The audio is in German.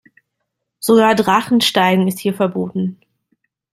Sogar Drachensteigen ist hier verboten.